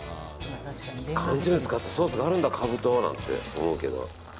缶詰を使ったソースがあるんだ、カブと何て思うけど。